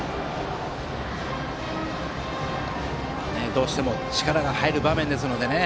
どうしても力が入る場面ですのでね。